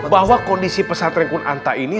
bahwa kondisi pesatren kun anta ini